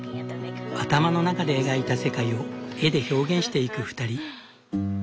頭の中で描いた世界を絵で表現していく２人。